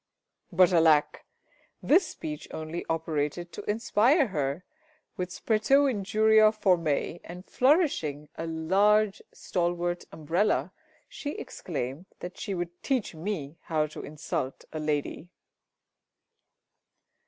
But alack! this speech only operated to inspire her with spretæ injuria formæ, and flourishing a large stalwart umbrella, she exclaimed that she would teach me how to insult a lady.